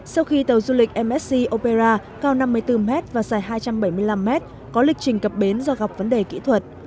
sau khi tàu du lịch msc opera cao năm mươi bốn m và dài hai trăm bảy mươi năm m có lịch trình cập bến do gặp vấn đề kỹ thuật